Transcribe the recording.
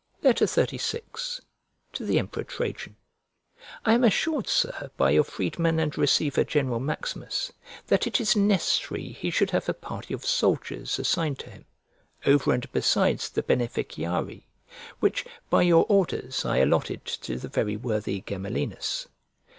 XXXVI To THE EMPEROR TRAJAN I AM assured, Sir, by your freedman and receiver general Maximus, that it is necessary he should have a party of soldiers assigned to him, over and besides the beneficiarii, which by your orders I allotted to the very worthy Gemellinus.